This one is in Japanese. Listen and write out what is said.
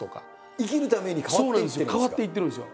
生きるために変わっていってるんですか。